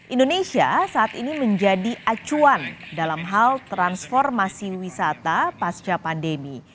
indonesia saat ini menjadi acuan dalam hal transformasi wisata pasca pandemi